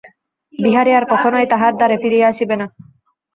বিহারী আর কখনোই তাঁহার দ্বারে ফিরিয়া আসিবে না।